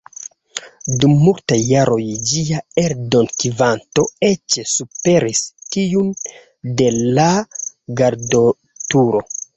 Dum multaj jaroj ĝia eldonkvanto eĉ superis tiun de "La Gardoturo".